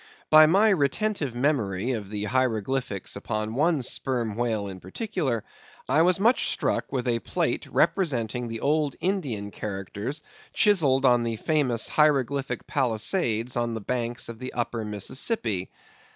By my retentive memory of the hieroglyphics upon one Sperm Whale in particular, I was much struck with a plate representing the old Indian characters chiselled on the famous hieroglyphic palisades on the banks of the Upper Mississippi.